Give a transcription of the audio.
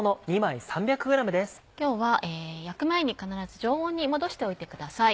今日は焼く前に必ず常温に戻しておいてください。